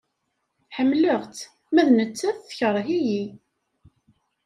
Ḥemleɣ-tt ma d nettat tekreh-iyi.